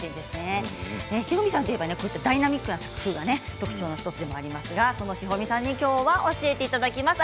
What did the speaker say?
志穂美さんと言えばダイナミックな作品が特徴の１つでもありますがその志穂美さんに教えていただきます。